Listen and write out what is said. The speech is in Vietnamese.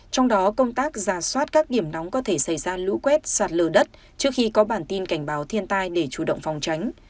trong đó công tác ra soát các điểm nóng có thể xảy ra lũ quét sạt lở đất trước khi có bản tin cảnh báo thiên tai để chủ động phòng tránh